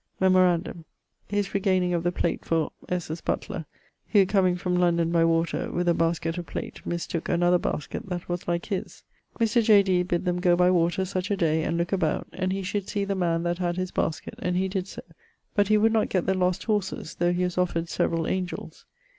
Memorandum: his regayning of the plate for ...'s butler, who comeing from London by water with a basket of plate, mistooke another basket that was like his. Mr. J. Dee bid them goe by water such a day, and looke about, and he should see the man that had his basket, and he did so; but he would not gett the lost horses, though he was offered severall angells.